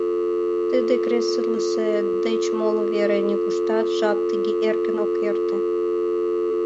Тиде креслысе деч моло вере нигуштат жап тыге эркын ок эрте.